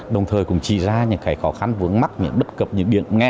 đồng thời cũng chỉ ra những cái khó khăn vướng mắt những bất cập những điểm nghe